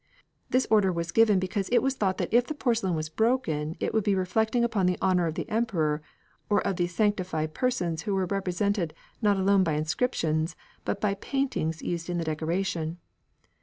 This order was given because it was thought that if the porcelain was broken it would be reflecting upon the honour of the Emperor or of these sanctified persons who were represented not alone by inscriptions, but by paintings used in the decoration.